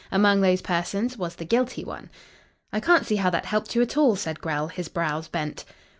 Among those persons was the guilty one." "I can't see how that helped you at all," said Grell, his brows bent.